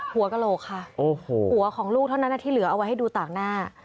หัวกระโหลกค่ะหัวของลูกเท่านั้นที่เหลือเอาไว้ให้ดูต่างหน้า